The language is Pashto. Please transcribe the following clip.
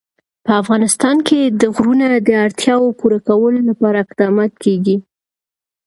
په افغانستان کې د غرونه د اړتیاوو پوره کولو لپاره اقدامات کېږي.